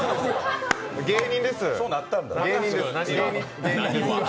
芸人です。